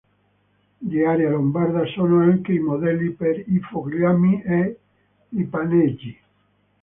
Di area lombarda sono anche i modelli per i fogliami e i panneggi.